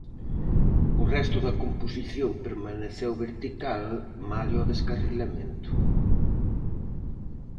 O resto da composición permaneceu vertical malia ao descarrilamento.